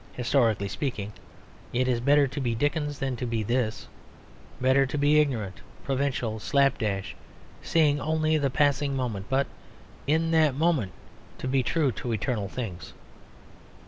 Historically speaking, it is better to be Dickens than to be this; better to be ignorant, provincial, slap dash, seeing only the passing moment, but in that moment, to be true to eternal things.